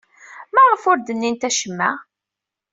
Maɣef ur d-nnint acemma?